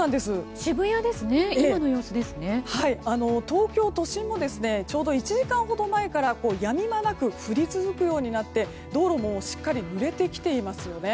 東京都心もちょうど１時間くらい前からやみ間なく降り続くようになって道路も、しっかりぬれてきていますよね。